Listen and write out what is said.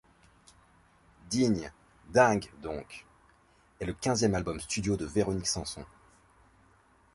Dignes, dingues, donc... est le quinzième album studio de Véronique Sanson.